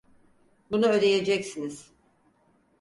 Bunu ödeyeceksiniz!